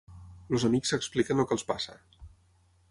Els amics s'expliquen el que els passa.